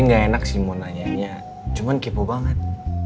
gak sih mau nanya cuman kipu banget